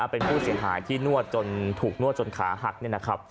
เป็นผู้เสียหายที่ถูกนวดจนขาหัก